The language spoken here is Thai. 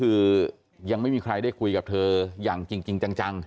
คือยังไม่มีใครได้คุยกับเธออย่างจริงจัง